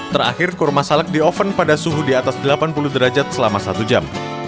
terakhir kurma salak di oven pada suhu di atas delapan puluh derajat selama satu jam